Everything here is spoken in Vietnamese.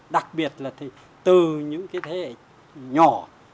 đặc biệt là từ những thế hệ nhỏ